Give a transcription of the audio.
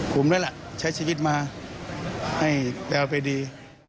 ผมด้วยล่ะใช้ชีวิตมาให้แววไปดี